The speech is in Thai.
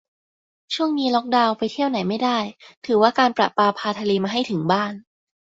ช่วงนี้ล็อกดาวน์ ไปเที่ยวไหนไม่ได้ ถือว่าการประปาพาทะเลมาให้ถึงบ้าน